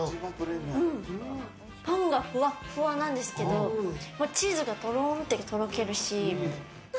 パンがふわっふわなんですけどチーズがとろーんととろけるし何？